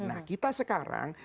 nah kita sekarang